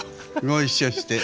ご一緒して。